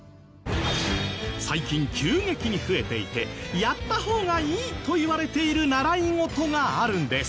最近急激に増えていてやった方がいいといわれている習い事があるんです。